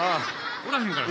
おらへんから。